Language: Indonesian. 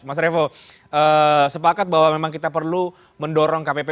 mas revo sepakat bahwa memang kita perlu mendorong kpp